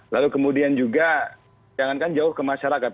lalu kemudian juga jangankan jauh ke masyarakat